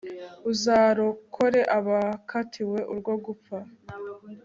uzarokore abakatiwe urwo gupfa